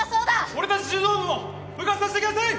俺たち柔道部も部活させてください！